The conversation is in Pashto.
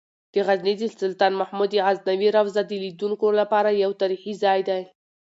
د غزني د سلطان محمود غزنوي روضه د لیدونکو لپاره یو تاریخي ځای دی.